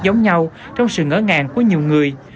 giống nhau trong sự ngỡ ngàng của nhiều người